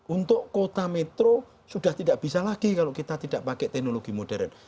untuk kota metro sudah tidak bisa lagi kalau kita tidak pakai teknologi modern